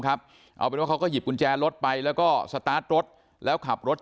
ครับเอาเป็นว่าเขาก็หยิบกุญแจรถไปแล้วก็สตาร์ทรถแล้วขับรถ